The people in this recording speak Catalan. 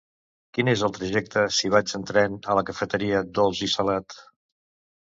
Quin és el trajecte si vaig en tren a la cafeteria Dolç i Salat?